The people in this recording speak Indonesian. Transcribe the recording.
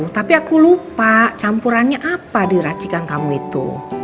tapi aku lupa campurannya apa di racikan kamu itu